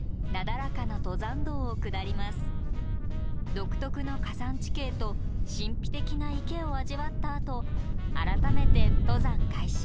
独特の火山地形と神秘的な池を味わったあと改めて登山開始。